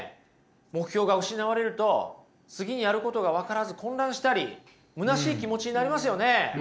目標が失われると次にやることが分からず混乱したり虚しい気持ちになりますよね。